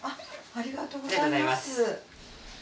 ありがとうございます。